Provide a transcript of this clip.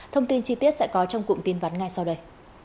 thông tin chi tiết sẽ có trong cụm tin vắn ngay sau đây